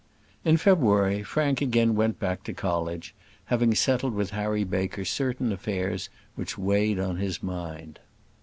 In February, Frank again went back to college; having settled with Harry Baker certain affairs which weighed on his mind.